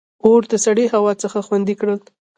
• اور د سړې هوا څخه خوندي کړل.